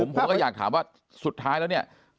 ผมก็อยากถามว่าสุดท้ายแล้วเนี่ย